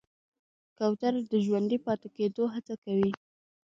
کوتره د ژوندي پاتې کېدو هڅه کوي.